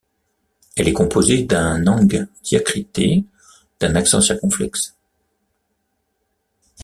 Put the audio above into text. Elle est composée d’un eng diacrité d’un accent circonflexe.